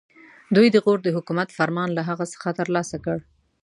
دوی د غور د حکومت فرمان له هغه څخه ترلاسه کړ.